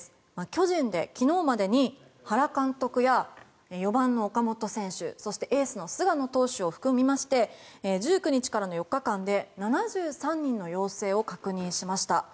巨人で昨日までに原監督や４番の岡本選手そして、エースの菅野投手を含みまして１９日からの４日間で７３人の陽性を確認しました。